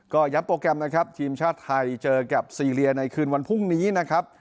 ก็ย้ำโปรแกรมนะครับทีมชาติไทยเจอกับซีเรียในคืนวันพรุ่งนี้นะครับ